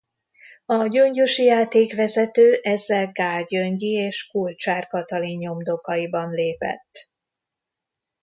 A gyöngyösi játékvezető ezzel Gaál Gyöngyi és Kulcsár Katalin nyomdokaiban lépett.